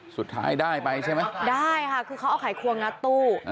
สุดท้ายได้ไปใช่ไหมได้ค่ะคือเขาเอาไขควงงัดตู้